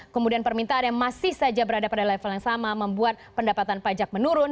kemudian permintaan yang masih saja berada pada level yang sama membuat pendapatan pajak menurun